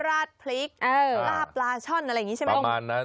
ราดพริกลาดปลาช่อนอะไรอย่างนี้ใช่ไหมประมาณนั้น